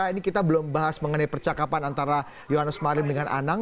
ini kita belum bahas mengenai percakapan antara yohanes marim dengan anang